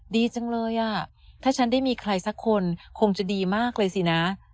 ดีจังเลยอ่ะถ้าฉันได้มีใครสักคนคงจะดีมากเลยสินะ